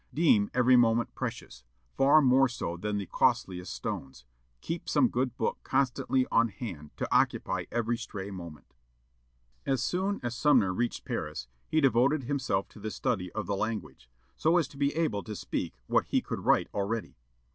Deem every moment precious, far more so than the costliest stones.... Keep some good book constantly on hand to occupy every stray moment." As soon as Sumner reached Paris he devoted himself to the study of the language, so as to be able to speak what he could write already.